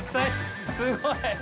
すごい！